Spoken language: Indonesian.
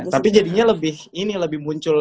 tapi jadinya lebih muncul